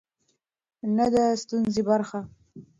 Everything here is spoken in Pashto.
نه د ستونزې برخه.